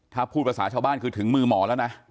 ถ้าพูดภาษาชาวบ้านคือถึงมือหมอแล้วนะ